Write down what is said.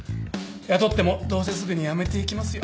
雇ってもどうせすぐに辞めていきますよ。